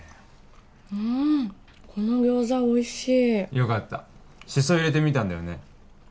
うーんっこの餃子おいしいよかったしそ入れてみたんだよね